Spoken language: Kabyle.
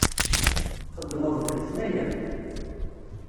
Txeddmeḍ d letnayen?